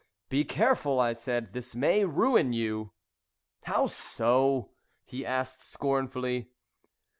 "Be careful!" I said. "This may ruin you." "How so?" he asked scornfully.